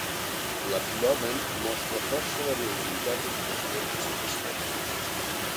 L'abdomen mostra força variabilitat entre els membres d'aquest ordre.